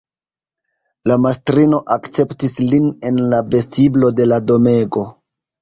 La mastrino akceptis lin en la vestiblo de la domego.